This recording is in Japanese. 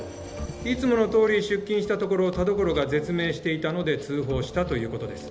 いつものとおり出勤したところ田所が絶命していたので通報したということです